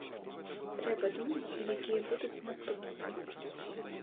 Трэба думаць, якія будуць наступствы.